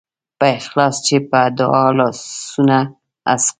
په اخلاص چې په دعا لاسونه هسک کا.